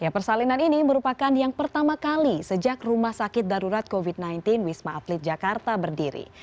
persalinan ini merupakan yang pertama kali sejak rumah sakit darurat covid sembilan belas wisma atlet jakarta berdiri